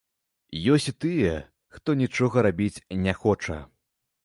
Ёсць і тыя, хто нічога рабіць не хоча.